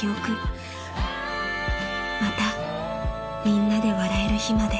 ［またみんなで笑える日まで］